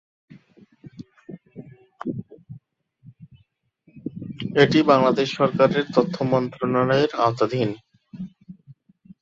এটি বাংলাদেশ সরকারের তথ্য মন্ত্রণালয়ের আওতাধীন।